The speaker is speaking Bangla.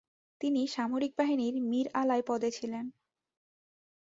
তিনি সামরিক বাহিনীর মীরআলাই পদে ছিলেন।